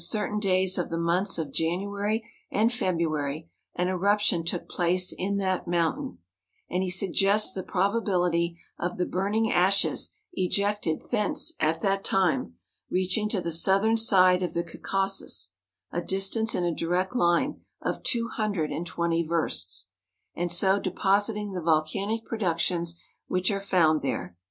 certain days of the months of January and February, an eruption took place in that mountain ; and he suggests the probability of the burning ashes ejected thence at that time, reaching to the southern side of the Caucasus (a distance in a direct line of two hundred and twenty versts); and so depositing the volcanic productions which are found there.